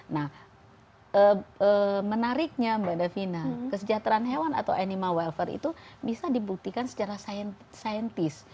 nah menariknya mbak davina kesejahteraan hewan atau anima welfare itu bisa dibuktikan secara saintis